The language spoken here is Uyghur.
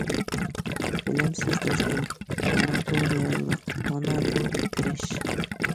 بىلەمسىز دوستۇم، مانا بۇ رېئاللىق، مانا بۇ كۈرەش!